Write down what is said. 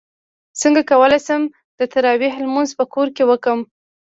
څنګه کولی شم د تراویحو لمونځ په کور کې وکړم